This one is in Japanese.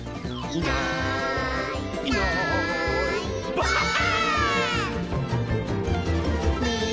「いないいないばあっ！」